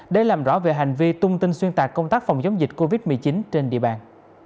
để làm rõ về hành vi tung tin xuyên tạc công tác phòng chống dịch covid một mươi chín trên địa bàn